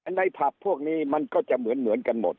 ในผับพวกนี้มันก็จะเหมือนกันหมด